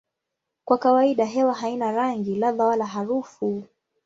Kwa kawaida hewa haina rangi, ladha wala harufu.